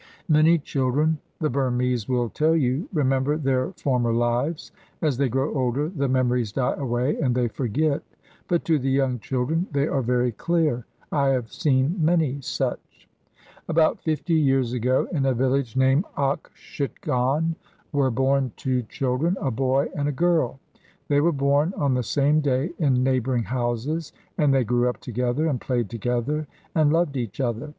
Many children, the Burmese will tell you, remember their former lives. As they grow older the memories die away and they forget, but to the young children they are very clear. I have seen many such. About fifty years ago in a village named Okshitgon were born two children, a boy and a girl. They were born on the same day in neighbouring houses, and they grew up together, and played together, and loved each other.